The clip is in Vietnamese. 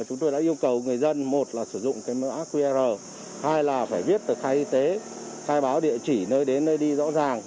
chúng tôi đã yêu cầu người dân một là sử dụng cái mã qr hai là phải viết tờ khai y tế khai báo địa chỉ nơi đến nơi đi rõ ràng